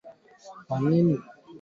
Kongolo njala inaingi iyi mashiku